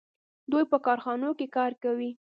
دوی په کارخانو کې کار کوي.